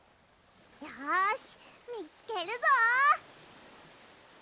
よしみつけるぞ！